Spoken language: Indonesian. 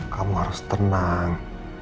kamu harus tenang